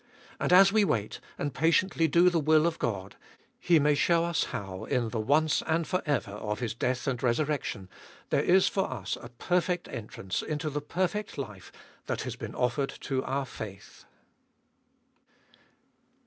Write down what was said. And as we wait, and patiently do the will of God, He may show us how, in the once and for ever of His death and resurrection, there is for us a perfect entrance into the perfect life that has been offered to our faith.